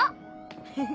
フフ。